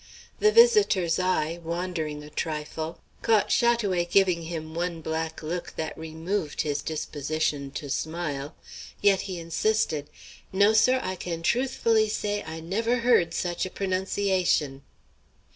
The visitor's eye, wandering a trifle, caught Chat oué giving him one black look that removed his disposition to smile, yet he insisted, "No, sir; I can truthfully say I never heard such a pronunciation."